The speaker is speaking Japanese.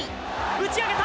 打ち上げた。